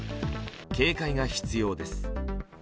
警戒が必要です。